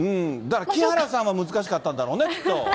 木原さんは難しかったんだろうね、きっと。